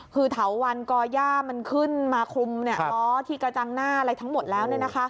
คือเถาวันก่อย่ามันขึ้นมาคลุมล้อที่กระจังหน้าอะไรทั้งหมดแล้ว